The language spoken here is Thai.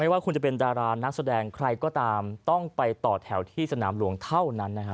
ว่าคุณจะเป็นดารานักแสดงใครก็ตามต้องไปต่อแถวที่สนามหลวงเท่านั้นนะฮะ